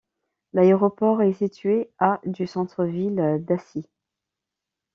L'aéroport est situé à du centre-ville d'Assis.